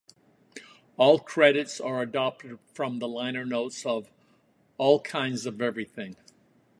All credits are adapted from the liner notes of "All Kinds of Everything".